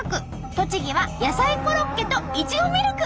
栃木は野菜コロッケといちごミルク。